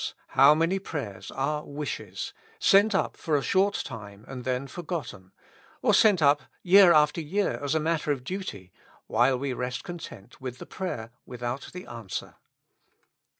how many prayers are wishes, sent up for a short time and then forgotten, or sent up year after year as matter of duty, while we rest content with the prayer without the answer.